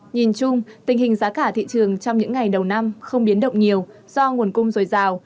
nhìn chung tình hình giá cả thị trường trong những ngày đầu năm không biến động nhiều do nguồn cung dồi dào